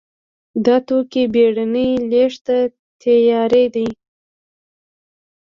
دا توکي بېړنۍ لېږد ته تیار دي.